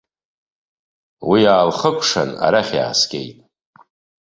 Уи аалхыкәшаны арахь иааскьеит.